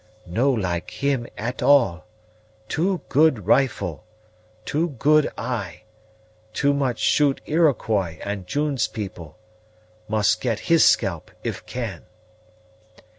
"No like him at all. Too good rifle too good eye too much shoot Iroquois and June's people. Must get his scalp if can."